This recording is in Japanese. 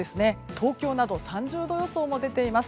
東京など３０度予想も出ています。